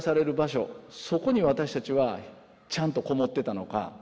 そこに私たちはちゃんとこもってたのか。